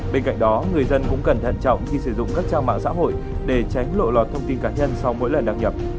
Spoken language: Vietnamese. bên cạnh đó người dân cũng cần thận trọng khi sử dụng các trang mạng xã hội để tránh lộ lọt thông tin cá nhân sau mỗi lần đăng nhập